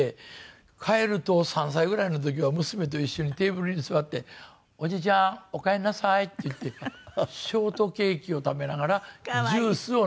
帰ると３歳ぐらいの時は娘と一緒にテーブルに座って「おじちゃんおかえりなさい」って言ってショートケーキを食べながらジュースを飲んでるんですよ。